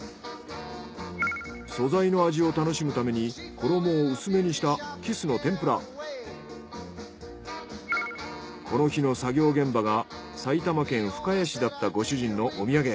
素材の味を楽しむために衣を薄めにしたこの日の作業現場が埼玉県深谷市だったご主人のお土産。